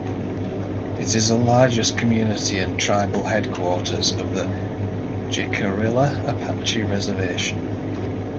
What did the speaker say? It is the largest community and tribal headquarters of the Jicarilla Apache Reservation.